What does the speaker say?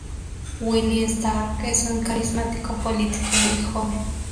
Willi Stark es un carismático político muy joven.